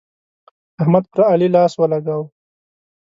احمد پر علي لاس ولګاوو.